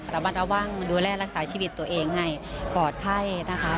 ระมัดระวังดูแลรักษาชีวิตตัวเองให้ปลอดภัยนะคะ